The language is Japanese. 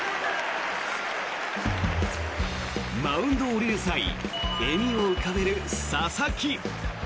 マウンドを降りる際笑みを浮かべる佐々木。